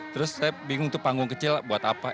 terus saya bingung tuh panggung kecil buat apa